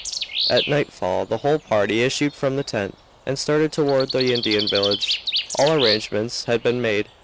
At nightfall the whole party issued from the tent and started toward the Indian village. All arrangements had been made.